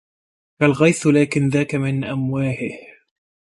كالغيث لكن ذاك من أمواهه